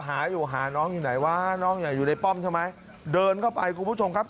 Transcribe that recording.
หาอยู่หาน้องอยู่ไหนวะน้องอย่าอยู่ในป้อมใช่ไหมเดินเข้าไปคุณผู้ชมครับ